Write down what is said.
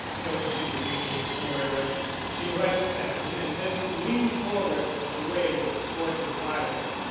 "Don't you believe me, Moira?" She glanced at him and then leaned forward, away—toward the fire.